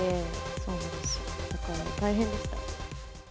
そうなんですよ、だから大変でした。